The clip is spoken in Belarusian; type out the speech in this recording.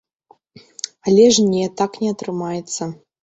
Але ж не, так не атрымаецца.